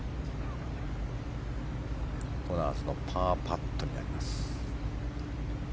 コナーズのパーパットになります。